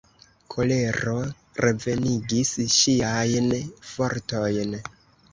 Kolero revenigis ŝiajn fortojn.